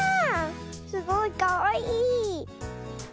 すごいかわいい。